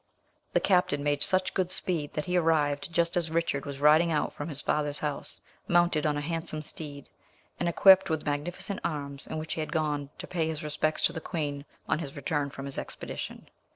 The captain made such good speed that he arrived just as Richard was riding out from his father's house, mounted on a handsome steed, and equipped with the magnificent arms in which he had gone to pay his respects to the queen on his return from his expedition.